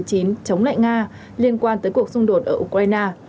chống lại nga liên quan tới cuộc xung đột ở ukraine